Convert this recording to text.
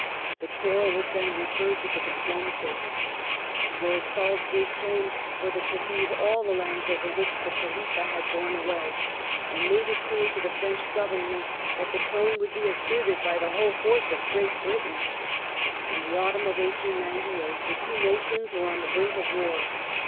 The quarrel was then referred to the diplomatists. Lord Salisbury claimed for the Khedive all the lands over which the Khalifa had borne sway, and made it clear to the French Government that the claim would be asserted by the whole force of Great Britain: In the autumn of 1898 the two nations were on the brink of war.